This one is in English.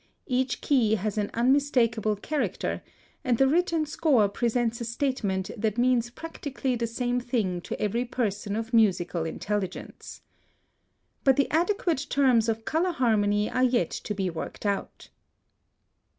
Each key has an unmistakable character, and the written score presents a statement that means practically the same thing to every person of musical intelligence. But the adequate terms of color harmony are yet to be worked out.